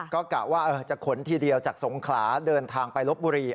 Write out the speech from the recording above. ก็กะว่าจะขนทีเดียวจากสงขลาเดินทางไปลบบุรี